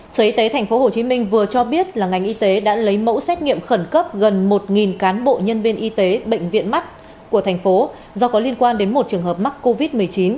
sở y tế tp hcm vừa cho biết là ngành y tế đã lấy mẫu xét nghiệm khẩn cấp gần một cán bộ nhân viên y tế bệnh viện mắt của thành phố do có liên quan đến một trường hợp mắc covid một mươi chín